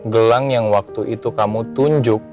gelang yang waktu itu kamu tunjuk